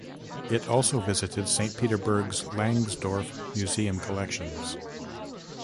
It also visited Saint Petersburg's Langsdorff museum collections.